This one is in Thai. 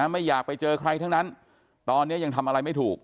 ไม่อยากไปเจอใครทั้งนั้นตอนนี้ยังทำอะไรไม่ถูก